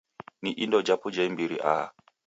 Ni indo japo ja imbiri aha.